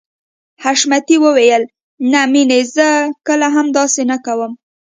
حشمتي وويل نه مينې زه کله هم داسې نه کوم.